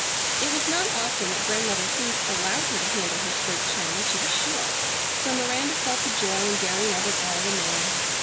It was not often that Grandmother Heath allowed her to handle her sprigged china, to be sure, so Miranda felt the joy and daring of it all the more.